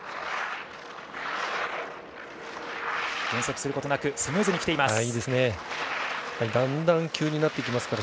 減速することなくスムーズに来ています。